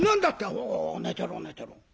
「お寝てろ寝てろ。